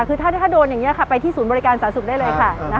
คือถ้าโดนอย่างนี้ค่ะไปที่ศูนย์บริการสาธารณสุขได้เลยค่ะ